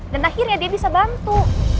dan akhirnya dia bisa bantu